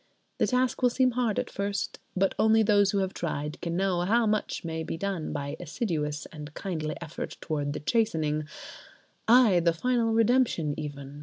The task will seem hard at first; but only those who have tried can know how much may be done by assiduous and kindly effort towards the chastening—ay! the final redemption even!